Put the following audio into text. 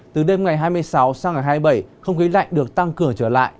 từ đêm ngày hai mươi sáu sang ngày hai mươi bảy không khí lạnh được tăng cường trở lại